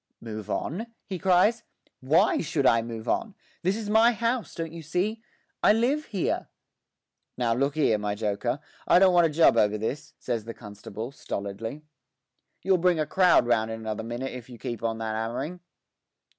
'Move on?' he cries, 'why should I move on? This is my house; don't you see? I live here.' 'Now look 'ere, my joker, I don't want a job over this,' says the constable, stolidly. 'You'll bring a crowd round in another minute if you keep on that 'ammering.'